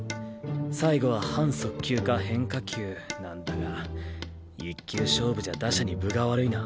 最後は半速球か変化球なんだが一球勝負じゃ打者に分が悪いな。